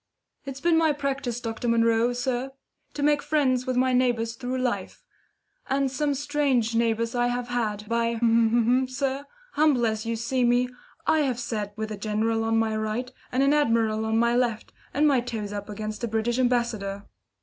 "It's been my practice, Dr. Munro, sir, to make friends with my neighbours through life; and some strange neighbours I have had. By , sir, humble as you see me, I have sat with a general on my right, and an admiral on my left, and my toes up against a British ambassador.